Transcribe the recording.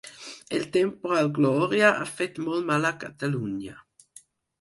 El temporal Glòria ha fet molt mal a Catalunya